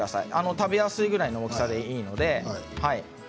食べやすいぐらいの大きさでいいです。